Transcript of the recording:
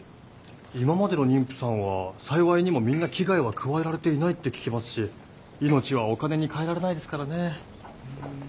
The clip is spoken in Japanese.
今までの妊婦さんは幸いにもみんな危害は加えられていないって聞きますし命はお金にかえられないですからね。